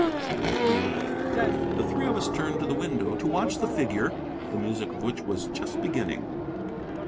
We obeyed. The three of us turned to the window to watch the figure, the music of which was just beginning.